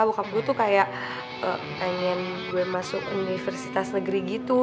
aku tuh kayak pengen gue masuk universitas negeri gitu